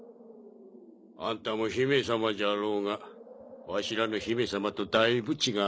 あんたも姫様じゃろうがわしらの姫様とだいぶ違うのう。